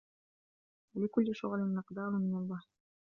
وَلِكُلِّ شُغْلٍ مِقْدَارٌ مِنْ الْوَهْنِ